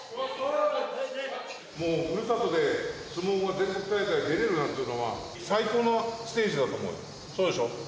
もうふるさとで、相撲が、全国大会出れるなんていうのは、最高のステージだと思うよ、そうでしょ。